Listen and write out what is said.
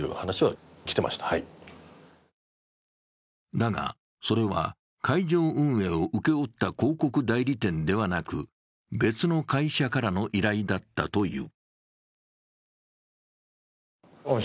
だが、それは会場運営を請け負った広告代理店ではなく別の会社からの依頼だったという。